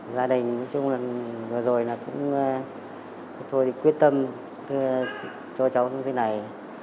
gia đình vừa rồi cũng quyết tâm cho cháu như thế này